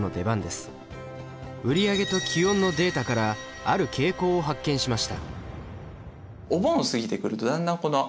売り上げと気温のデータからある傾向を発見しました。